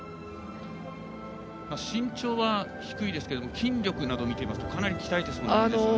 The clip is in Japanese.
身長は低いですが筋力などを見ますとかなり鍛えていますね。